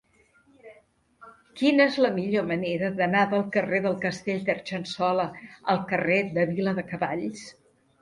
Quina és la millor manera d'anar del carrer del Castell d'Argençola al carrer de Viladecavalls?